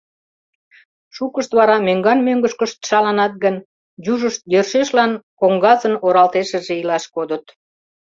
Шукышт вара мӧҥган-мӧҥгышкышт шаланат гын, южышт йӧршешлан коҥгазын оралтешыже илаш кодыт.